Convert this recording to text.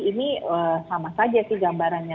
ini sama saja sih gambarannya